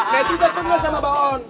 mety takut gak sama mbah on